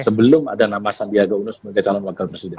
sebelum ada nama sandiaga uno sebagai calon wakil presiden